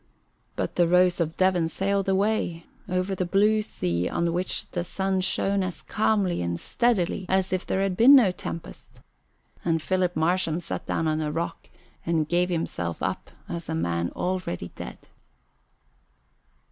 But the Rose of Devon sailed away over the blue sea on which the sun shone as calmly and steadily as if there had been no tempest, and Philip Marsham sat down on a rock and gave himself up as a man already dead.